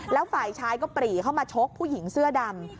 แล้วฝ่ายชายก็ปรีเข้ามาชกผู้หญิงเสื้อดำ